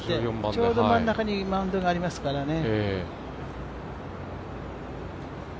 ちょうど真ん中にマウンドがありますからね。